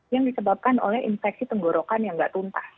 yang disebabkan oleh infeksi tenggorokan yang nggak tuntas